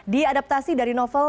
diadaptasi dari novel